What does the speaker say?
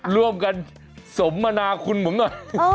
ร่วมกันสมมนาคุณผมหน่อย